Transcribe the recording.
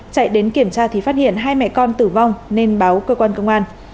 chạy đến kiểm tra thì phát hiện hai mẹ con tử vong nên báo cơ quan công an